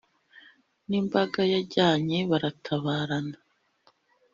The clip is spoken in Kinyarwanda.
n'imbaga yajyanye baratabarana.